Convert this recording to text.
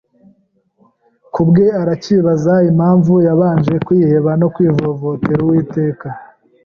Kubwe aracyibaza impamvu yabanje kwiheba no kwivovotera Uwiteka